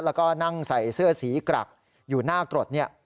แล้วก็นั่งใส่เสื้อสีกรักอยู่หน้ากรดเนี่ย